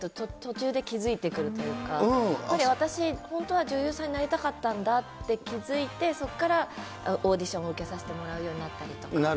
って途中で気付いてくるというか、やっぱり私、本当は女優さんになりたかったんだって気付いて、そこからオーディションを受けさせてもらうようになったりとか。